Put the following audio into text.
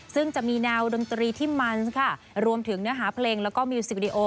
ซึ่งจะมีแนวดนตรีที่มันค่ะรวมถึงเนื้อหาเพลงแล้วก็มิวสิกวิดีโอ